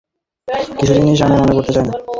কিছু-কিছু জিনিস আমি মনে করতে চাই না।